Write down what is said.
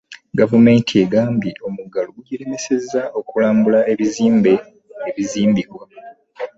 Gavumenti egambye omuggalo gugiremesezza okulambula ebizimbe ebizimbibwa